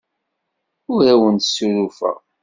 Ur awent-ssurufeɣ.